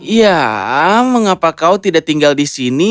ya mengapa kau tidak tinggal di sini